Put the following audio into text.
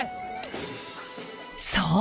そう！